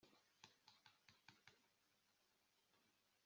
yarikanze yibaza ukuntu yihutishije ibintu